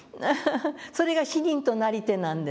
それが「死人となりて」なんです。